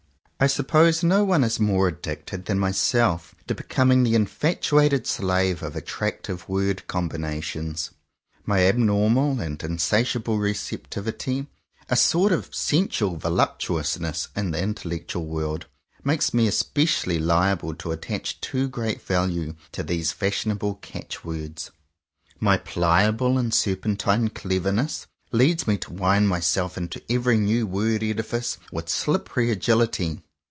I suppose no one is more addicted than myself to becoming the infatuated slave of attractive word combinations. My abnor mal and insatiable receptivity — a sort of 146 JOHN COWPER POWYS sensual voluptuousness in the intellectual world — makes me especially liable to attach too great value to these fashionable catch words. My pliable and serpentine clever ness leads me to wind myself into every new word edifice with slippery agility.